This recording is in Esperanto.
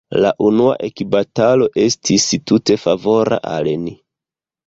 La unua ekbatalo estis tute favora al ni.